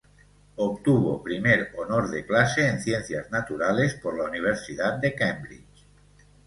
Obtuvo Primer Honor de Clase en Ciencias Naturales por la Universidad de Cambridge.